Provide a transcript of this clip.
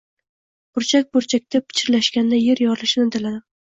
Burchak-burchakda pichirlashganda yer yorilishini tiladim.